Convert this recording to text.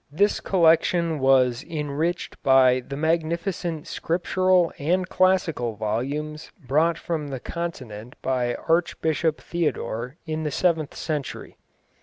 This collection was enriched by the magnificent scriptural and classical volumes brought from the continent by Archbishop Theodore in the seventh century.